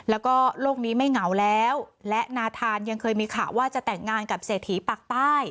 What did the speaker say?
แล้วก็โลกนี้ไม่เหงาแล้วและนาธานยังเคยมีข่าวว่าจะแต่งงานกับเศรษฐีปากใต้